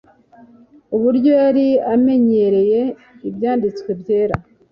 uburyo yari amenyereye Ibyanditswe byera;